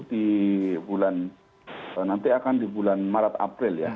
di bulan nanti akan di bulan maret april ya